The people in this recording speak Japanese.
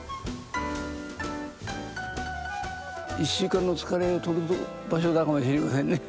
一週間の疲れをとる場所かもしれませんね。